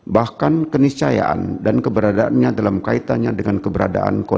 bahkan keniscayaan dan keberadaannya dalam kaitannya dengan keberadaan korban